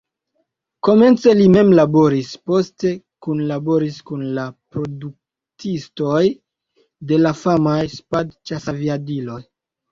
Komence li mem laboris, poste kunlaboris kun la produktistoj de la famaj Spad-ĉasaviadiloj.